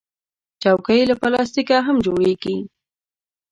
چوکۍ له پلاستیکه هم جوړیږي.